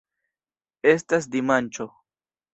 Estas dimanĉo.